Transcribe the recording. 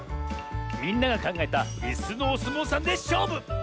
みんながかんがえたいすのおすもうさんでしょうぶ！